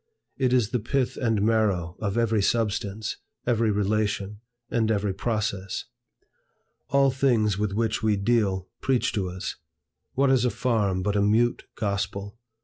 It is the pith and marrow of every substance, every relation, and every process. All things with which we deal, preach to us. What is a farm but a mute gospel?